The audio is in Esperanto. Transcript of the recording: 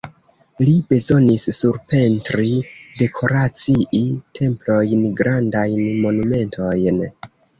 Li bezonis surpentri, dekoracii templojn, grandajn monumentojn.